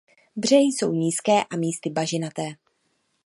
Břehy jsou nízké a místy bažinaté.